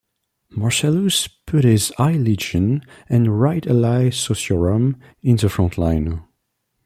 Marcellus put his "I Legion" and "Right Alae Sociorum" in the front line.